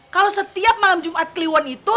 kalau setiap malam jumat kliwon itu